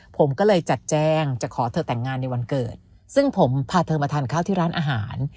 ผมก็เลยจัดแจ้งจะขอเธอแต่งงานในวันเกิดซึ่งผมพาเธอมาทานข้าวที่ร้านอาหาร